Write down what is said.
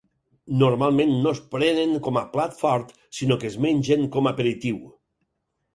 Normalment no es prenen com a plat fort, sinó que es mengen com aperitiu.